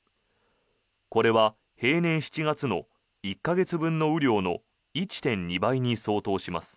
これは平年７月の１か月分の雨量の１．２倍に相当します。